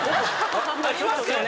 ありますよね？